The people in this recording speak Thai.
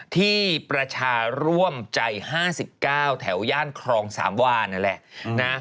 ที่ประชาร่วมใจ๕๙แถวย่านครองสามวานนั่นแหละนะ